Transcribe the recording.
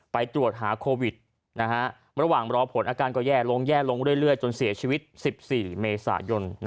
ไปตรวจหาโควิดระหว่างรอผลอาการก็แย่ลงแย่ลงเรื่อยจนเสียชีวิต๑๔เมษายน